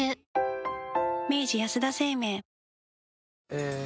え